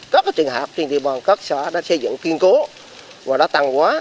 các trường hợp trên thị bàn các xã đã xây dựng kiên cố và đã tăng quá